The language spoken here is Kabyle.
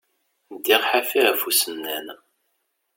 Ddiɣ ḥafi ɣef usennan.